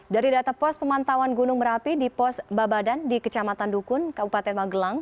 dari data pos pemantauan gunung merapi di pos babadan di kecamatan dukun kabupaten magelang